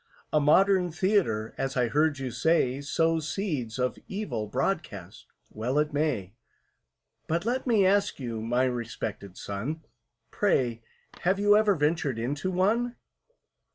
"A modern Theatre, as I heard you say, Sows seeds of evil broadcast—well it may; But let me ask you, my respected son, Pray, have you ever ventured into one?"